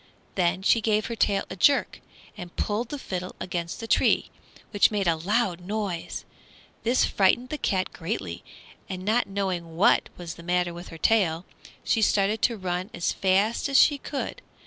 Then she gave her tail a jerk and pulled the fiddle against the tree, which made a loud noise. This frightened the cat greatly, and not knowing what was the matter with her tail, she started to run as fast as she could.